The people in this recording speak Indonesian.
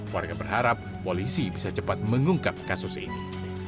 warga berharap polisi bisa cepat mengungkap kasus ini